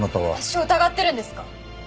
私を疑ってるんですか？